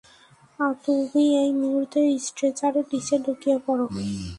তুমি এই মুহুর্তে স্ট্রেচারের নিচে লুকিয়ে পড়ো।